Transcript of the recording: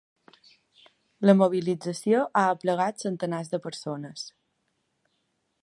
La mobilització ha aplegat centenars de persones.